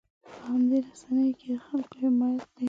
په همدې رسنیو کې د خلکو حمایت دی.